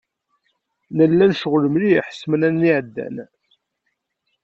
Nella necɣel mliḥ ssmana-nni iεeddan.